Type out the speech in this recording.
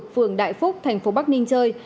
phường đại phúc thành phố bắc ninh chơi